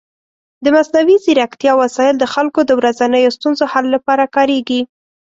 د مصنوعي ځیرکتیا وسایل د خلکو د ورځنیو ستونزو حل لپاره کارېږي.